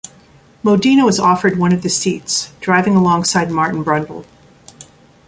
Modena was offered one of the seats, driving alongside Martin Brundle.